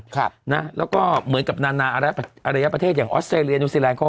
ครับนะแล้วก็เหมือนกับนานาระยะประเทศอย่างออสเตรเลียนิวซีแลนดเขา